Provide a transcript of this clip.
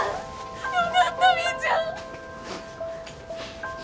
よかったみーちゃん。